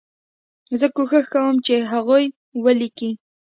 زه کوښښ کوم چې هغوی ولیکي.